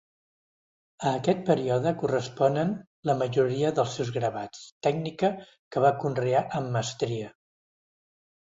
A aquest període corresponen la majoria dels seus gravats, tècnica que va conrear amb mestria.